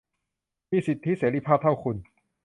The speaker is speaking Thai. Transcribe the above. มีสิทธิเสรีภาพเท่าคุณ